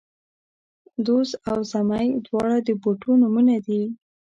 دوز او زمۍ، دواړه د بوټو نومونه دي